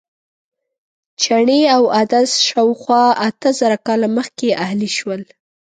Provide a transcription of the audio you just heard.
چڼې او عدس شاوخوا اته زره کاله مخکې اهلي شول.